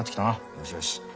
よしよし。